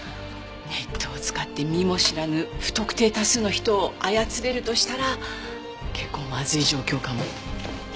ネットを使って見も知らぬ不特定多数の人を操れるとしたら結構まずい状況かも。